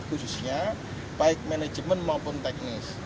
khususnya baik manajemen maupun teknis